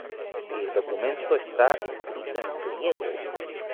El documento está escrito en griego.